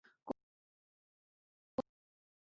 公园已向机电工程署通报有关事故。